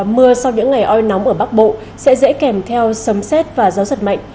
mưa sau những ngày oi nóng ở bắc bộ sẽ dễ kèm theo sấm xét và gió giật mạnh